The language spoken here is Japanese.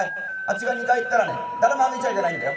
私が二階行ったらね誰も上げちゃいけないんだよ。